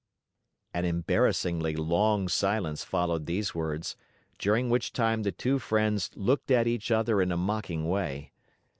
An embarrassingly long silence followed these words, during which time the two friends looked at each other in a mocking way.